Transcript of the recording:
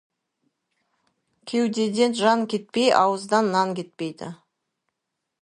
Кеудеден жан кетпей, ауыздан нан кетпейді.